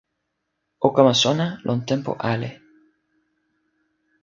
o kama sona lon tenpo ale.